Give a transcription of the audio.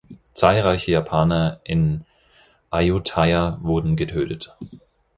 Zahlreiche Japaner in Ayutthaya wurden getötet.